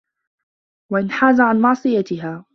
وَانْحَازَ عَنْ مَعْصِيَتِهَا